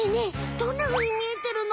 どんなふうに見えてるの？